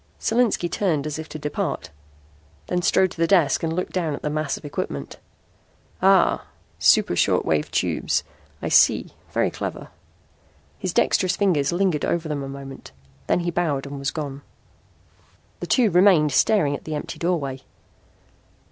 Solinski turned as if to depart, then strode to the desk and looked down at the mass of equipment. "Ah, super short wave tubes, I see. Very clever." His dexterous fingers lingered over them a moment. Then he bowed and was gone. The two remained staring at the empty doorway.